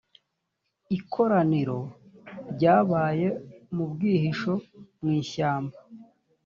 ikoraniro ryabaye mu bwihisho mu ishyamba